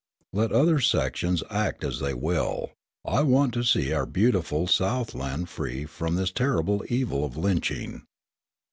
Let other sections act as they will; I want to see our beautiful Southland free from this terrible evil of lynching.